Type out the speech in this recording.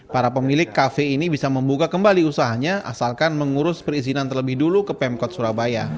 para pemilik kafe ini bisa membuka kembali usahanya asalkan mengurus perizinan terlebih dulu ke pemkot surabaya